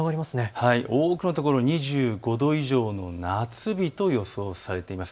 多くの所２５度以上の夏日と予想されています。